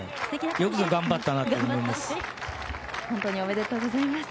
よくぞ頑張ったなと思います。